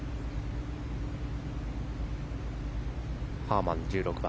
ハーマン、１６番。